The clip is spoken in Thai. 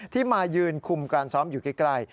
ที่มายืนคุมการซ้อมอยู่ใกล้